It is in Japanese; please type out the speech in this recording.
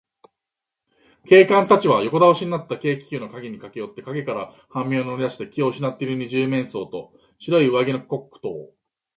警官たちは横だおしになった軽気球のかごにかけよって、かごから半身を乗りだして気をうしなっている二十面相と、白い上着のコックとを、